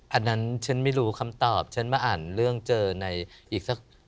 อันนั้นฉันไม่รู้คำตอบฉันมาอ่านเรื่องเจอในอีกสัก